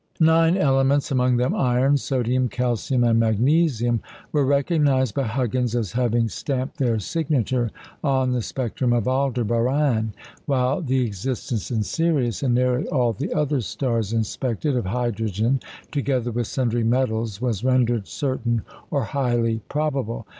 Nine elements among them iron, sodium, calcium, and magnesium were recognised by Huggins as having stamped their signature on the spectrum of Aldebaran; while the existence in Sirius, and nearly all the other stars inspected, of hydrogen, together with sundry metals, was rendered certain or highly probable.